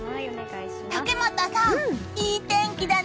竹俣さん、いい天気だね！